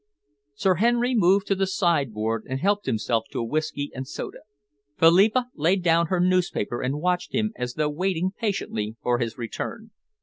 Sir Henry moved to the sideboard and helped himself to a whisky and soda. Philippa laid down her newspaper and watched him as though waiting patiently for his return.